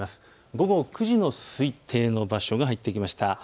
午後９時の推定の場所が入ってきました。